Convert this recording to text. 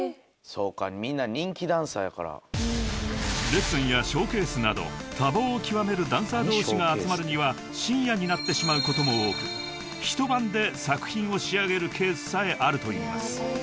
［レッスンやショーケースなど多忙を極めるダンサー同士が集まるには深夜になってしまうことも多く一晩で作品を仕上げるケースさえあるといいます］